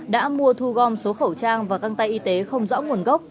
đã mua thu gom số khẩu trang và găng tay y tế không rõ nguồn gốc